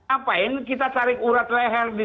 apa ini kita tarik urat leher di sini